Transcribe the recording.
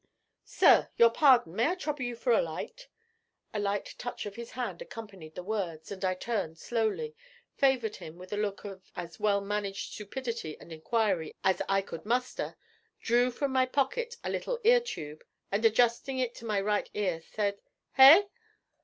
'Sir! Your pardon; may I trouble you for a light?' A light touch of his hand accompanied the words, and I turned slowly, favoured him with a look of as well managed stupidity and inquiry as I could muster, drew from my pocket a little ear tube, and, adjusting it to my right ear, said, 'Hey?'